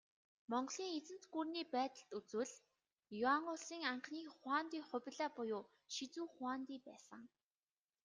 Монголын эзэнт гүрний байдалд үзвэл, Юань улсын анхны хуанди Хубилай буюу Шизү хуанди байсан.